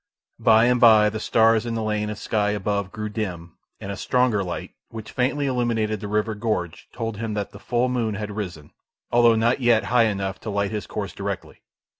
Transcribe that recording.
By and by the stars in the lane of sky above grew dim, and a stronger light, which faintly illuminated the river gorge, told him that the full moon had risen, although not yet high enough to light his course directly.